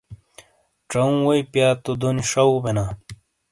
چَؤوں ووئی پِیا تو دونی شَو بینا۔